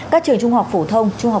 các trường trung học phổ thông